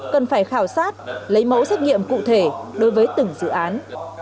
cần phải khảo sát lấy mẫu xét nghiệm cụ thể đối với từng dự án